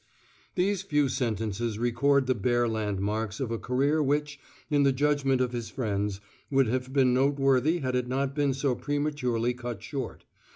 These few sentences record the bare landmarks of a career which, in the judgment of his friends, would have been noteworthy had it not been so prematurely cut short.